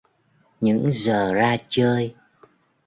Những giờ ra chơi